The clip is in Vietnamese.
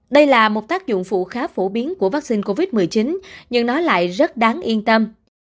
đây là một tác dụng phụ khá phổ biến của vaccine covid một mươi chín nhưng nó lại rất đáng yên tâm